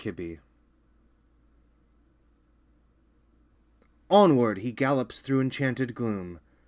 KNIGHT ERRANT Onward he gallops through enchanted gloom.